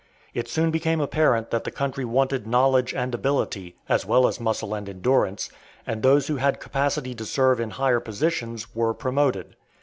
It soon became apparent that the country wanted knowledge and ability, as well as muscle and endurance, and those who had capacity to serve in higher positions were promoted.